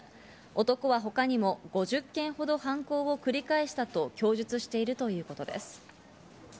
男は他にも５０件ほど犯行を繰り返したと供述しているということです。